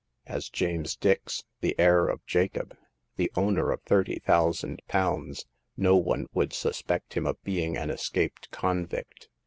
As James Dix, the heir of Jacob, the owner of thirty thousand pounds, no one would suspect him of being an escaped convict.